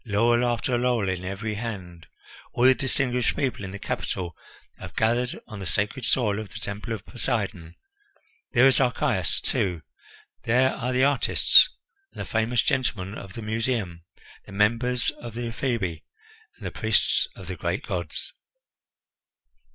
Laurel after laurel in every hand! All the distinguished people in the capital have gathered on the sacred soil of the Temple of Poseidon. There is Archias, too; there are the artists and the famous gentlemen of the Museum, the members of the Ephebi, and the priests of the great gods."